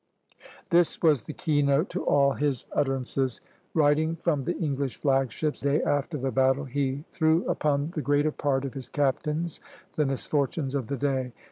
" This was the key note to all his utterances. Writing from the English flag ship, the day after the battle, he "threw upon the greater part of his captains the misfortunes of the day.